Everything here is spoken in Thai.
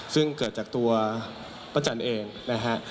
ซึ่งเกิดจากตัวป้าจันเองนะฮะ